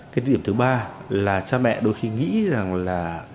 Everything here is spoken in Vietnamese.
cái điểm thứ ba là cha mẹ đôi khi nghĩ rằng là